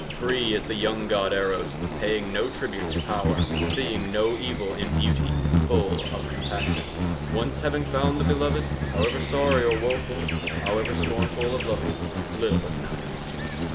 Free is the young god Eros, Paying no tribute to power, 10 Seeing no evil in beauty, Full of compassion. Once having found the beloved, However sorry or woeful, However scornful of loving, 15 Little it matters.